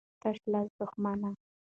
ـ تشه لاسه دښمنه.